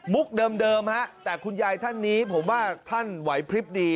เดิมฮะแต่คุณยายท่านนี้ผมว่าท่านไหวพลิบดี